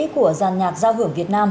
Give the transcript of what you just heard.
của giàn nhạc giao hưởng việt nam